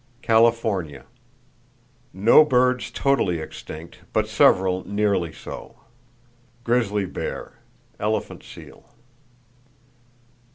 California: No birds totally extinct, but several nearly so; grizzly bear (?), elephant seal.